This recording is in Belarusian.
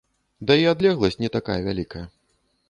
Да і адлегласць не такая вялікая.